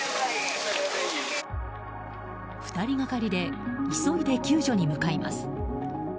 ２人がかりで急いで救助に向かいます。